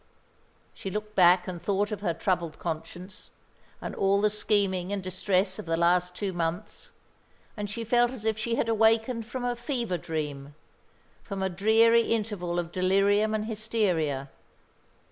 She looked back and thought of her troubled conscience, and all the scheming and distress of the last two months, and she felt as if she had awakened from a fever dream, from a dreary interval of delirium and hysteria.